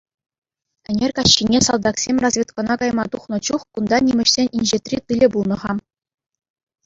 Ӗнер каҫхине, салтаксем разведкӑна кайма тухнӑ чух, кунта нимӗҫсен инҫетри тылӗ пулнӑ-ха.